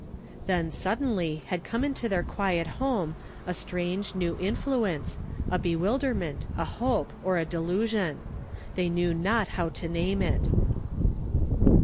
Then, suddenly, had come into their quiet homo a strange, new iiinuenee, a hewii(h;rment, a liope, or a delusion; they knew no*^ how to name it.